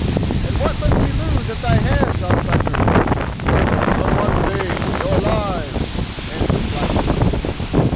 "And what must we lose at thy hands, Ospakar?" "But one thing—your lives!" answered Blacktooth.